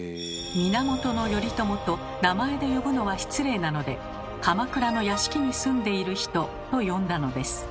「源頼朝」と名前で呼ぶのは失礼なので「鎌倉の屋敷に住んでいる人」と呼んだのです。